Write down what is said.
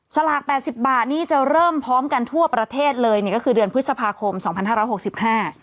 สลากแปดสิบบาทนี่จะเริ่มพร้อมกันทั่วประเทศเลยเนี่ยก็คือเดือนพฤษภาคมสองพันห้าร้อยหกสิบห้า